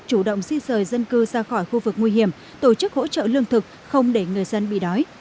chủ động di rời dân cư ra khỏi khu vực nguy hiểm tổ chức hỗ trợ lương thực không để người dân bị đói